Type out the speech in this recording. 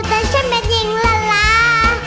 แต่ฉันเป็นหญิงละลา